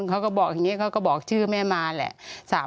เขาก็บอกอย่างนี้เขาก็บอกชื่อแม่มาแหละ